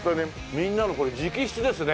みんなのこれ直筆ですね。